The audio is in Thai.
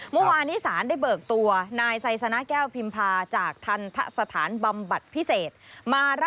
เมื่อวานนี้ศาลได้เบิกตัวนายไซสน่าแก้วพิมพา